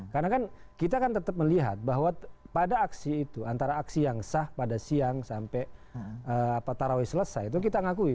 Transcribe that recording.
karena kan kita kan tetap melihat bahwa pada aksi itu antara aksi yang sah pada siang sampai tarawih selesai itu kita ngakui